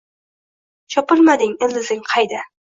Chopilmading, ildizing qayda???